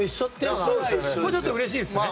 これはちょっとうれしいですね。